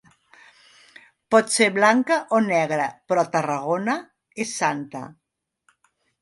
Pot ser blanca o negra, però a Tarragona és santa.